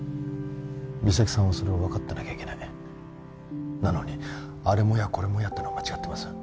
三咲さんはそれを分かってなきゃいけないなのにあれも嫌これも嫌ってのは間違ってます